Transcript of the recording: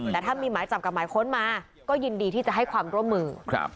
แต่ถ้ามีหมายจับกับหมายค้นมาก็ยินดีที่จะให้ความร่วมมือ